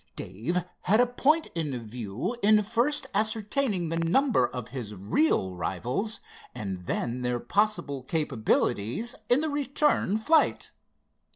Dave had a point in view in first ascertaining the number of his real rivals, and then their possible capabilities in the return flight.